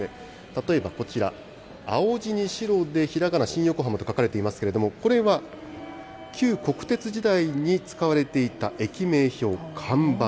例えばこちら、青地に白でひらがな、新横浜と書かれていますけれども、これは旧国鉄時代に使われていた駅名標、看板、